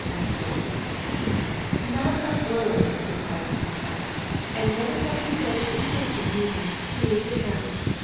asked Polke. "Not a word!" replied Mrs. Pratt. "And never saw him go to the station, neither, to leave the town.